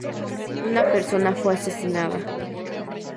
Una persona fue asesinada.